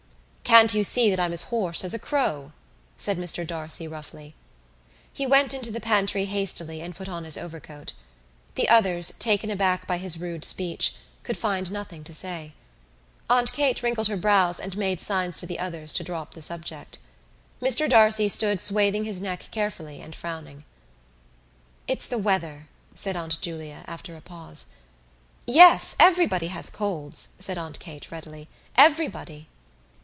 "Can't you see that I'm as hoarse as a crow?" said Mr D'Arcy roughly. He went into the pantry hastily and put on his overcoat. The others, taken aback by his rude speech, could find nothing to say. Aunt Kate wrinkled her brows and made signs to the others to drop the subject. Mr D'Arcy stood swathing his neck carefully and frowning. "It's the weather," said Aunt Julia, after a pause. "Yes, everybody has colds," said Aunt Kate readily, "everybody."